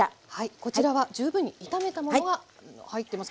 こちらは十分に炒めたものが入ってます。